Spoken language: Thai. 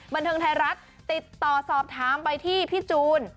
บันเทิงไทยรัฐติดต่อสอบถามไปที่พี่จูน